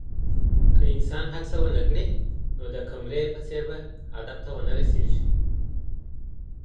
که انسان هڅه ونکړي نو د قمرۍ په څېر به هدف ته ونه رسېږي.